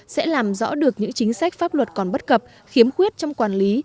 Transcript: sẽ làm rõ được những chính sách pháp luật còn bất cập khiếm khuyết trong quản lý